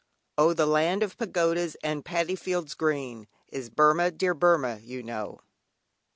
"Oh! the Land of Pagodas and Paddy fields green, Is Burmah, dear Burmah you know."